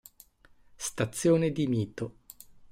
Stazione di Mito